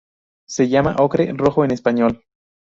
Se llama ocre rojo en español.